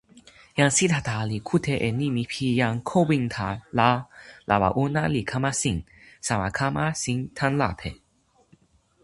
jan Sitata li kute e nimi pi jan Kowinta la lawa ona li kama sin, sama kama sin tan lape.